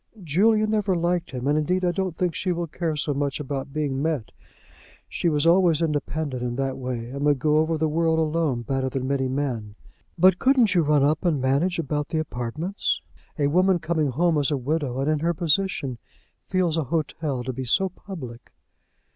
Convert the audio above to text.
"Julia never liked him. And, indeed, I don't think she will care so much about being met. She was always independent in that way, and would go over the world alone better than many men. But couldn't you run up and manage about the apartments? A woman coming home as a widow, and in her position, feels an hotel to be so public."